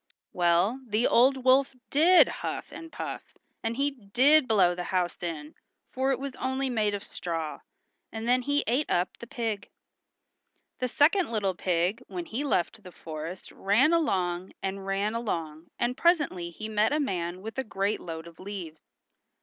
Well, the old wolf did huff and puff, and he did blow the house in, for it was only made of straw, and then he ate up the pig. The second little pig when he left the forest ran along and ran along and presently he met a man with a great load of leaves.